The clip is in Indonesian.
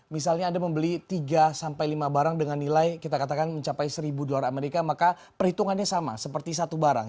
misalnya anda membeli tiga sampai lima barang dengan nilai kita katakan mencapai seribu dolar amerika maka perhitungannya sama seperti satu barang